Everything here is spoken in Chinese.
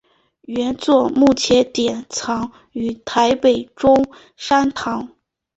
原作目前典藏于台北中山堂。